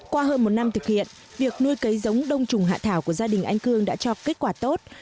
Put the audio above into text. qua hơn một năm thực hiện việc nuôi cấy giống đông trùng hạ thảo của gia đình anh cương đã cho kết quả tốt